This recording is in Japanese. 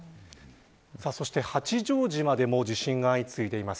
そして八丈島でも地震が相次いでいます。